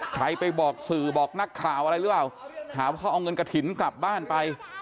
ใครไปบอกสื่อบอกนักข่าวอะไรหรือเปล่าหาว่าเขาเอาเงินกระถิ่นกลับบ้านไป